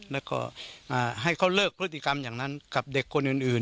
แล้วก็ให้เขาเลิกพฤติกรรมอย่างนั้นกับเด็กคนอื่น